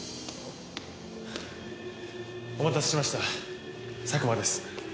お待たせしました佐久間です。